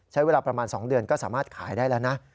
ใช้เวลาประมาณ๒เดือนก็สามารถขายได้แล้วนะ